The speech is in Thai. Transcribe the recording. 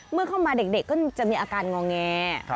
เมื่อเข้ามาเด็กก็จะมีอาการงอแง